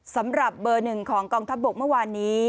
สำหรับเบอร์หนึ่งของกองทัพบกเมื่อวานนี้